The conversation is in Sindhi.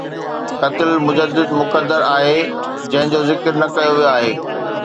قتل مجدد مقدر آهي، جنهن جو ذڪر نه ڪيو ويو آهي